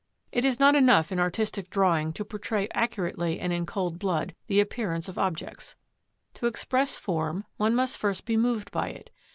It is not enough in artistic drawing to portray accurately and in cold blood the appearance of objects. To express form one must first be moved by it.